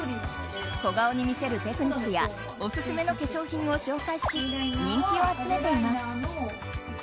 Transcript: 小顔に見せるテクニックやオススメの化粧品を紹介し人気を集めています。